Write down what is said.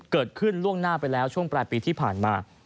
ล่วงหน้าไปแล้วช่วงปลายปีที่ผ่านมา